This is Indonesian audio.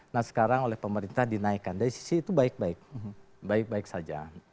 nah sekarang oleh pemerintah dinaikkan dari sisi itu baik baik baik saja